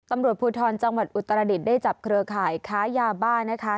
ตำรวจภูทรจังหวัดอุตรดิษฐ์ได้จับเครือข่ายค้ายาบ้านะคะ